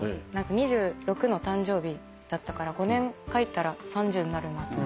２６の誕生日だったから５年書いたら３０になるなと思って。